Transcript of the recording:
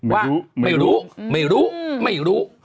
ว่าไม่รู้ไม่รู้ไม่รู้